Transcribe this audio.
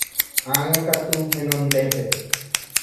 Ág̃akatu henondépe.